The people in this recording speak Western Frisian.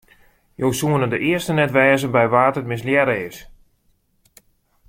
Jo soene de earste net wêze by wa't it mislearre is.